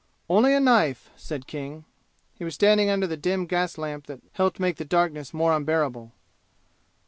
"Only a knife," said King. He was standing under the dim gas lamp that helped make the darkness more unbearable.